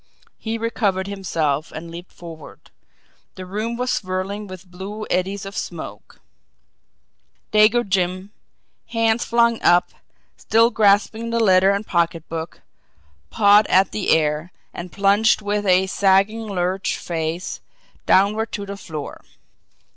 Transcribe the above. He recovered himself and leaped forward. The room was swirling with blue eddies of smoke; Dago Jim, hands flung up, still grasping letter and pocketbook, pawed at the air and plunged with a sagging lurch face downward to the floor.